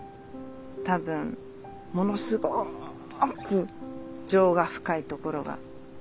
多分ものすごく情が深いところが。